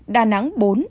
đà nẵng bốn